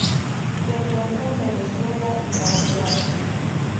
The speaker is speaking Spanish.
Se encuentra en Venezuela y Paraguay.